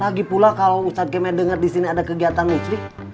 lagipula kalau ustadz kemah denger disini ada kegiatan musrik